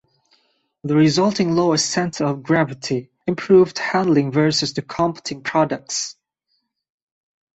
The resulting lower center of gravity improved handling versus the competing products.